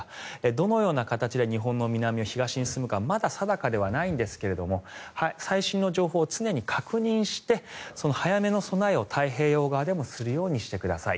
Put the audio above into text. どのような形で日本の南を東に進むのかはまだ定かではないんですが最新の情報を常に確認して、早めの備えを太平洋側でもするようにしてください。